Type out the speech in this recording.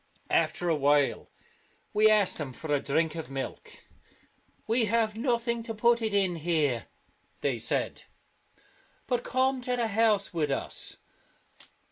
After a while we asked them for a drink of milk. " We have nothing to put it in here," they said, " but come to the house with us."